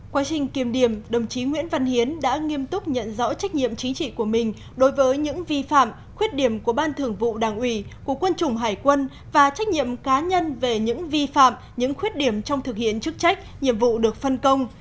quá trình kiềm điểm đồng chí nguyễn văn hiến đã nghiêm túc nhận rõ trách nhiệm chính trị của mình đối với những vi phạm khuyết điểm của ban thường vụ đảng ủy của quân chủng hải quân và trách nhiệm cá nhân về những vi phạm những khuyết điểm trong thực hiện chức trách nhiệm vụ được phân công